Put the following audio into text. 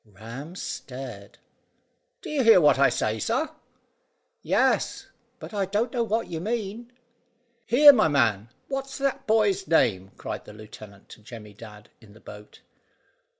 Ram stared. "Do you hear what I say, sir?" "Yes, but I dunno what you mean." "Here, my man, what's that boy's name?" cried the lieutenant to Jemmy Dadd in the boat.